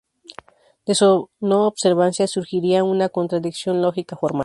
De su no observancia surgirá una "contradicción lógica formal".